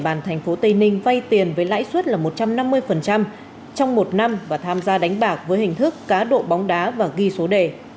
bàn thành phố tây ninh vay tiền với lãi suất là một trăm năm mươi trong một năm và tham gia đánh bạc với hình thức cá độ bóng đá và ghi số đề